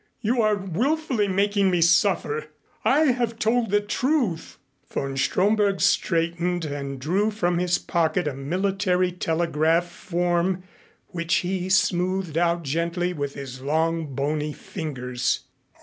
You are willfully making me suffer. I have told the truth." Von Stromberg straightened and drew from his pocket a military telegraph form which he smoothed out gently with his long, bony fingers.